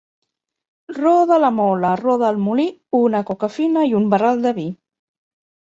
Roda la mola, roda el molí, una coca fina i un barral de vi.